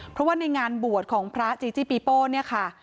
เพราะว่าในงานบวชของพระจีจี้ปีโป้เนี่ยค่ะ